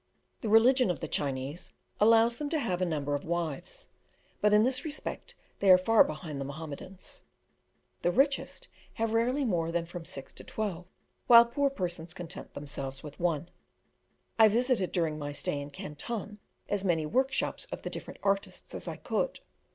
The religion of the Chinese allows them to have a number of wives, but in this respect they are far behind the Mahomedans. The richest have rarely more than from six to twelve, while poor persons content themselves with one. I visited during my stay in Canton as many workshops of the different artists as I could.